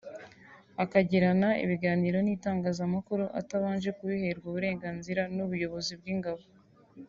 akagirana ibiganiro n’itangazamakuru atabanje kubiherwa uburenganzira n’ubuyobozi bw’ingabo